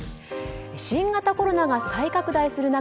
新型コロナが再拡大する中